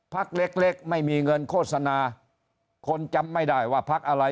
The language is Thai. พักเล็กเล็กไม่มีเงินโฆษณาคนจำไม่ได้ว่าพักอะไร